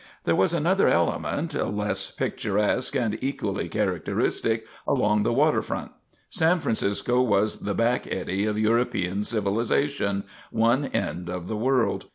There was another element, less picturesque and equally characteristic, along the waterfront. San Francisco was the back eddy of European civilization one end of the world.